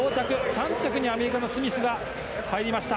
３着にアメリカのスミスが入りました。